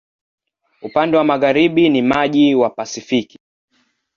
Upande wa magharibi ni maji wa Pasifiki.